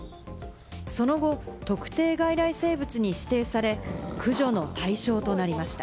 その後、特定外来生物に指定され、駆除の対象となりました。